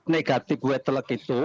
negatif wetelak itu